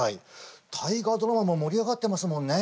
「大河ドラマ」も盛り上がってますもんね。